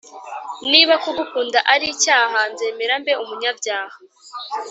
niba kugukunda ari icyaha nzemera mbe umunyabyaha